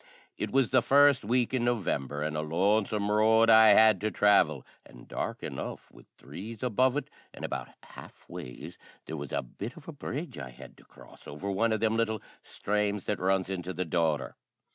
It was the first week in November, an' a lonesome road I had to travel, an' dark enough, wid threes above it; an' about half ways there was a bit of a brudge I had to cross, over one o' them little sthrames that runs into the Doddher.